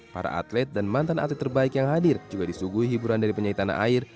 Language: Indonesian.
para atlet dan mantan atlet terbaik yang hadir juga disuguhi hiburan dari penyanyi tanah air